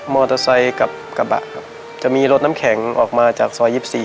มอเตอร์ไซค์กับกระบะครับจะมีรถน้ำแข็งออกมาจากซอย๒๔